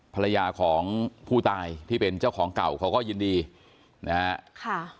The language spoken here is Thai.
ภรรยาของผู้ตายที่เป็นเจ้าของเก่าเขาก็ยินดีนะฮะค่ะ